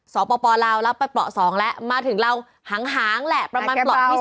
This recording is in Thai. สปลาวรับไปปสองละมาถึงเราหางแหละประมาณปที่๓